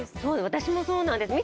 私もそうなんです。